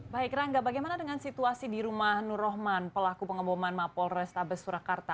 baik rangga bagaimana dengan situasi di rumah nur rohman pelaku pengeboman mapol restabes surakarta